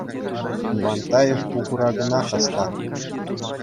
Ивантаев пухура кӑна хастар.